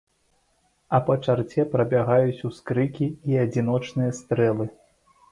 А па чарце прабягаюць ускрыкі і адзіночныя стрэлы.